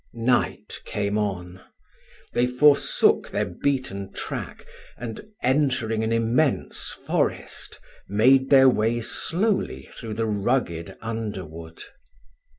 Night came on they forsook the beaten track, and, entering an immense forest, made their way slowly through the rugged underwood.